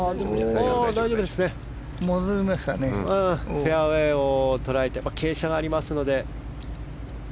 フェアウェーを捉えて傾斜がありますので。